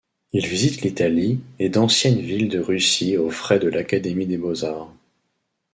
Il visite l'Italie et d'anciennes villes de Russie aux frais de l'Académie des beaux-arts.